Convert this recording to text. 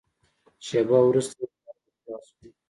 شېبه وروسته یې کارونه خلاص شول.